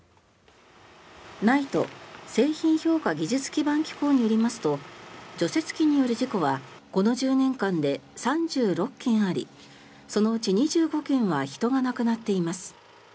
ＮＩＴＥ・製品評価技術基盤機構によりますと除雪機による事故はこの１０年間で３６件ありそのうち２５件は人が亡くなっています。